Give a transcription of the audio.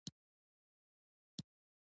ایا د دم ګر ته تللي وئ؟